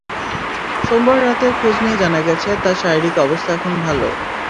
সোমবার রাতে খোঁজ নিয়ে জানা গেছে, তাঁর শারীরিক অবস্থা এখন ভালো।